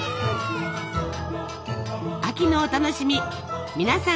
秋のお楽しみ皆さん